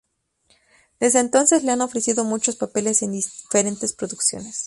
Desde entonces le han ofrecido muchos papeles en diferentes producciones.